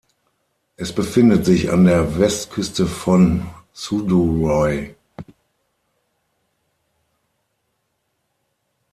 Es befindet sich an der Westküste von Suðuroy.